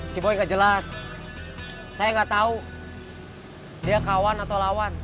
kau ingat k exposing v ufo betul